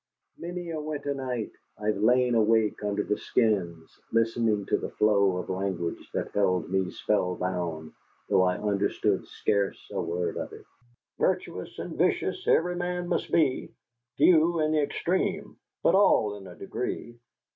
Many a winter night I have lain awake under the skins, listening to a flow of language that held me spellbound, though I understood scarce a word of it. "Virtuous and vicious every man must be, Few in the extreme, but all in a degree."